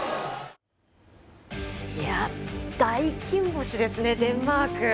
大金星ですね、デンマーク。